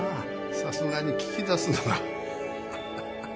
さすがに聞き出すのが。